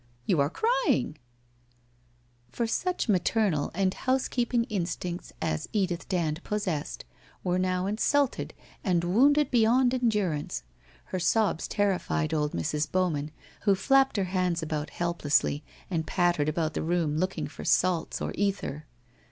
You are crying !' For such maternal and housekeeping instincts as Edith Dand possessed were now insulted and wounded beyond endurance. Her sobs terrified old Mrs. Bowman, who flapped her hands about helplessly and pattered about the room looking for salts or ether.